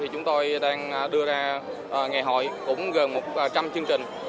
chúng tôi đang đưa ra ngày hội cũng gần một trăm linh chương trình